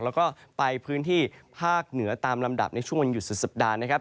แล้วก็ไปพื้นที่ภาคเหนือตามลำดับในช่วงวันหยุดสุดสัปดาห์นะครับ